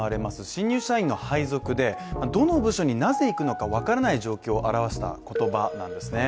新入社員の配属でどの部署になぜ行くのか分からない状況を表した言葉なんですね。